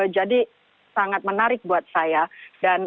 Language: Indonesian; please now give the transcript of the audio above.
jadi sangat menarik buat saya